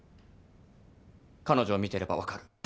彼女を見ていれば分かる。